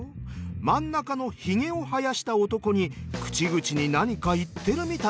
真ん中の髭を生やした男に口々に何か言ってるみたいです。